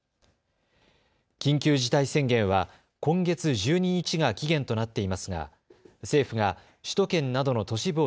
緊急事態宣言は今月１２日が期限となっていますが政府が首都圏などの都市部を